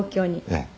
「ええ」